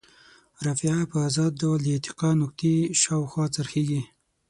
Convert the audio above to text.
رافعه په ازاد ډول د اتکا نقطې شاوخوا څرخیږي.